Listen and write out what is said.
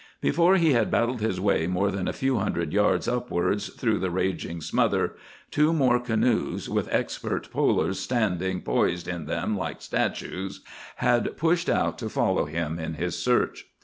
Before he had battled his way more than a few hundred yards upwards through the raging smother, two more canoes, with expert polers standing poised in them like statues, had pushed out to follow him in his search.